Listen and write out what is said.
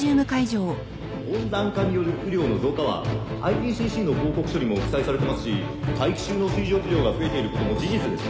温暖化による雨量の増加はＩＰＣＣの報告書にも記載されてますし大気中の水蒸気量が増えていることも事実です。